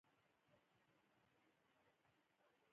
کرکټ د ورزش یوه منل سوې بڼه ده.